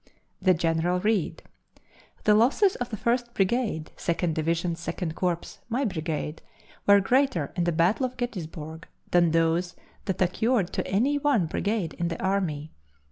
The General read: "The losses of the First Brigade, Second Division, Second Corps my brigade were greater in the battle of Gettysburg than those that occurred to any one brigade in the army.